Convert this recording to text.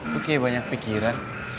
kok kayak banyak pikiran